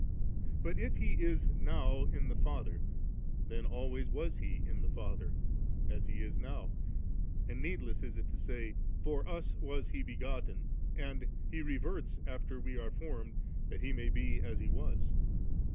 but if He is now in the Father, then alwajrs was He in the Father, as He is now, and needless is it to say, * For us was He begotten, and He reverts after we are formed, that He may be as He was.'